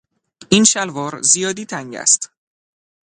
این شلوار زیادی تنگ است.